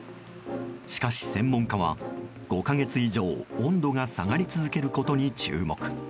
しかし、専門家は５か月以上温度が下がり続けることに注目。